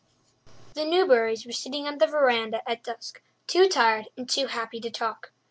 The Newburys were sitting on the verandah at dusk, too tired and too happy to talk.